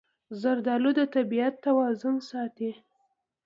زردالو د طبیعت توازن ساتي.